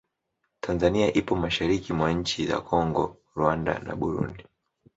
Tanzania ipo mashariki mwa nchi za Kongo, Rwanda na Burundi.